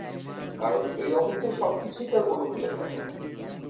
কারণ এই অবস্থায় সবকিছুই তার অনুকূলে থাকে।